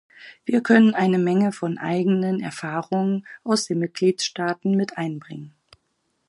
Wir können eine Menge von eigenen Erfahrungen aus den Mitgliedstaaten mit einbringen.